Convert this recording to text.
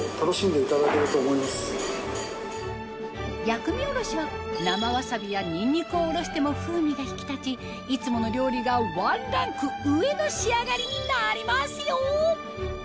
薬味おろしは生わさびやニンニクをおろしても風味が引き立ちいつもの料理がワンランク上の仕上がりになりますよ！